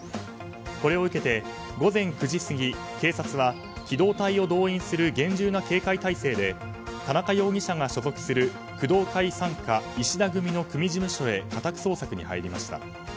これを受けて午前９時過ぎ警察は機動隊を動員する厳重な警戒態勢で田中容疑者が所属する工藤会傘下・石田組の組事務所へ家宅捜索に入りました。